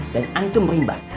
dan antum rimba